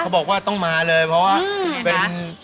บอกว่าต้องมาเลยเพราะว่าเป็น